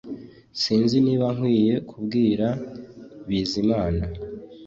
Sinzi niba nkwiye kubwira Bizimana